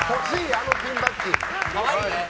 あのピンバッジ。